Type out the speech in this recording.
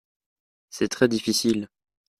C’est très difficile.